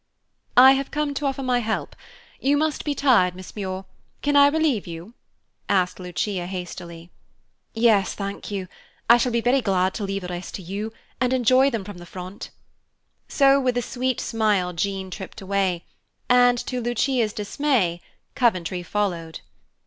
"I have come to offer my help. You must be tired, Miss Muir. Can I relieve you?" said Lucia hastily. "Yes, thank you. I shall be very glad to leave the rest to you, and enjoy them from the front." So with a sweet smile Jean tripped away, and to Lucia's dismay Coventry followed.